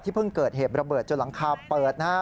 ที่เพิ่งเกิดเหตุระเบิดจนหลังคาเปิด